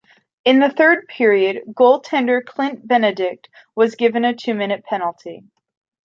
In the third period, goaltender Clint Benedict was given a two-minute penalty.